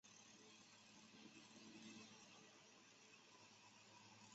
施兰根巴德是德国黑森州的一个市镇。